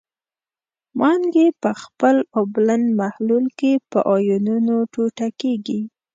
مالګې په خپل اوبلن محلول کې په آیونونو ټوټه کیږي.